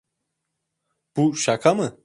Bu şaka mı?